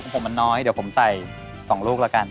ผมมันน้อยเดี๋ยวผมใส่๒ลูกแล้วกัน